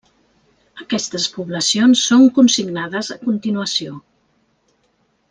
Aquestes poblacions són consignades a continuació.